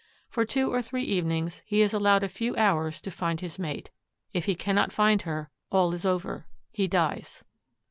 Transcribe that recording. For two or three evenings he is allowed a few hours to find his mate. If he cannot find her, all is over. He dies.